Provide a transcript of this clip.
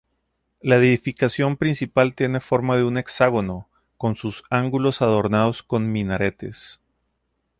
La edificación principal tiene forma de un hexágono, con sus ángulos adornados con minaretes.